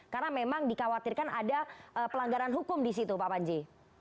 karena memang dikhawatirkan ada pelanggaran hukum di situ pak panji